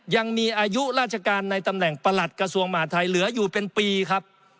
ยังมีอายุราชการในตำแหน่งประหลัดกระทรวงมหาทัยเหลืออยู่เป็นปีครับ